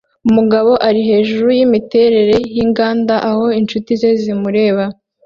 Umusore ari hejuru yimiterere yinganda aho inshuti ze zimureba